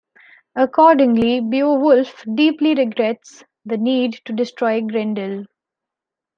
Accordingly, Beowulf deeply regrets the need to destroy Grendel.